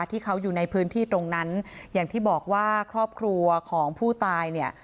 ที่เขาอยู่ในพื้นที่ตรงนั้นอย่างที่บอกว่าครอบครัวของผู้ตายเนี่ย